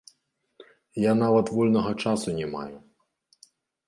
Я нават вольнага часу не маю.